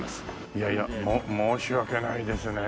いやいや申し訳ないですね